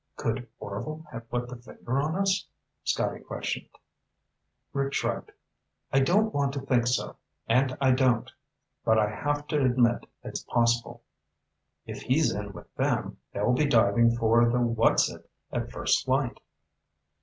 "Could Orvil have put the finger on us?" Scotty questioned. Rick shrugged. "I don't want to think so, and I don't. But I have to admit it's possible." "If he's in with them, they'll be diving for the 'what's it' at first light."